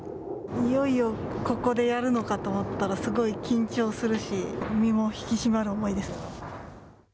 いよいよここでやるのかと思ったら、すごい緊張するし、身も引き締まる思いです。